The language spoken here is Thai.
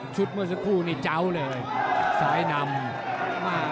ชุดเมื่อสักคู่นี่เจ้าเลยสายนำ